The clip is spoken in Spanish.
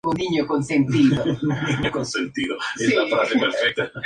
Este informe no recibió la atención internacional y era ciertamente desconocida a Huntington.